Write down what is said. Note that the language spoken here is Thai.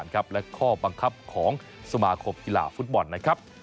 ของสมาคมกีฬาฟุตบอลนะครับ